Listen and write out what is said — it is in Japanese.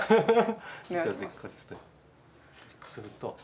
すると。